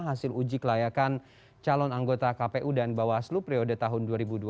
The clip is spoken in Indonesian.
hasil uji kelayakan calon anggota kpu dan bawaslu periode tahun dua ribu dua puluh dua dua ribu dua puluh tujuh